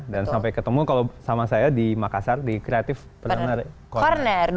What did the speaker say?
dan sampai ketemu kalau sama saya di makassar di kreatif perner corner